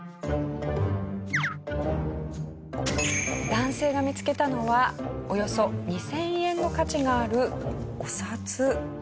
男性が見つけたのはおよそ２０００円の価値があるお札。